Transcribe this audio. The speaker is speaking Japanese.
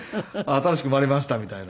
新しく生まれましたみたいな。